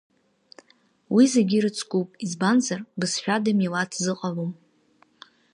Уи зегьы ирыцкуп, избанзар, бызшәада милаҭ зыҟалом.